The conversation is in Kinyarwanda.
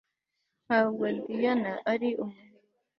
Ntabwo Diana ari umuhigi